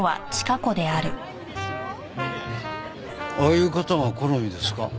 ああいう方が好みですか？